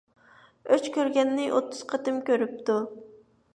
ئۆچ كۆرگەننى ئوتتۇز قېتىم كۆرۈپتۇ.